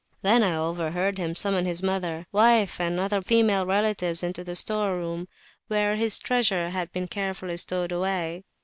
I then overheard him summon his mother, wife, and other female relatives into the store room, where his treasures had been carefully stowed away.